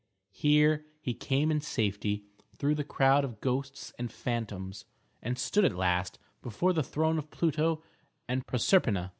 Here he came in safety through the crowd of ghosts and phantoms, and stood at last before the throne of Pluto and Proserpina.